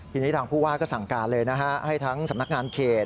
ทีนี้ทางผู้ว่าก็สั่งการเลยนะฮะให้ทั้งสำนักงานเขต